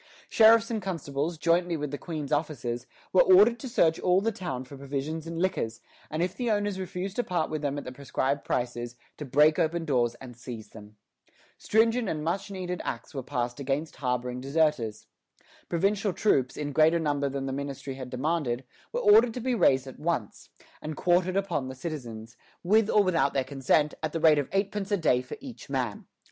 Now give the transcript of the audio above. Sheriffs and constables, jointly with the Queen's officers, were ordered to search all the town for provisions and liquors, and if the owners refused to part with them at the prescribed prices, to break open doors and seize them. Stringent and much needed Acts were passed against harboring deserters. Provincial troops, in greater number than the ministry had demanded, were ordered to be raised at once, and quartered upon the citizens, with or without their consent, at the rate of eightpence a day for each man.